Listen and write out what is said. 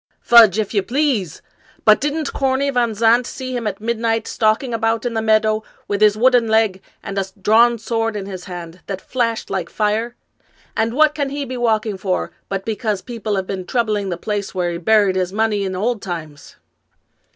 " Fudge, if you please ! But didn't Corney Van Zandt see him at midnight, stalking about in the meadow with his wooden leg, and a drawn sword in his hand, that flashed like fire? And what can he be walking for but because people have been troubling the place where he buried his money in old times